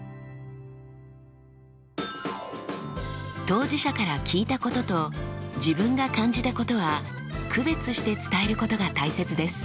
当事者から聞いたことと自分が感じたことは区別して伝えることが大切です。